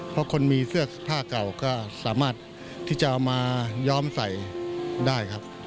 เพราะคนมีเสื้อผ้าเก่าก็สามารถที่จะเอามาย้อมใส่ได้ครับ